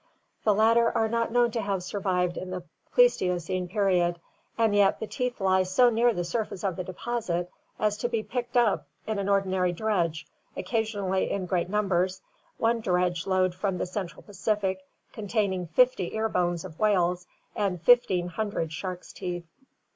The latter are not known to have survived the Pleistocene period, and yet the teeth lie so near the surface of the deposit as to be picked up in an ordinary dredge, occasionally in great numbers, one dredge load from the central Pacific containing 50 ear bones of whales and 1500 sharks' teeth.